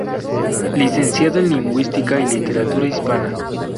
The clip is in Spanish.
Licenciado en lingüística y literatura hispana.